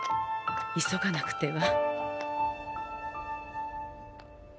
急がなくては。